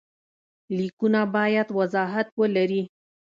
لیکونه باید وضاحت ولري.